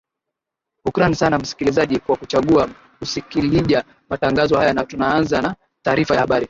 hukrani san msikilizaji kwa kuchangua kusikilija matangazo haya na tunaanza na taarifa ya habarii